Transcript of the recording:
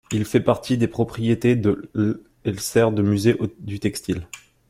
Il fait partie des propriétés de l’' et sert de musée du Textile.